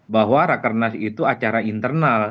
bahwa rakernas itu acara internal